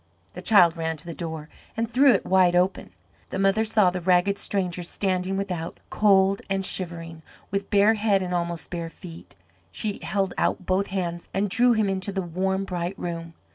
The child ran to the door and threw it wide open. The mother saw the ragged stranger standing without, cold and shivering, with bare head and almost bare feet. She held out both hands and drew him into the warm, bright room.